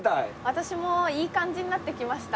私もいい感じになってきました。